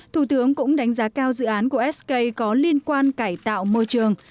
thủ tướng cũng đánh giá cao dự án của sk có liên quan cải tạo môi trường